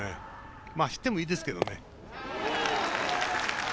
走ってもいいですけどね。